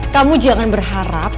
kamu jangan berharap